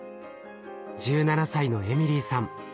１７歳のエミリーさん